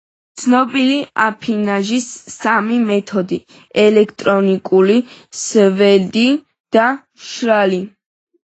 ცნობილია აფინაჟის სამი მეთოდი: ელექტროლიზური, სველი და მშრალი.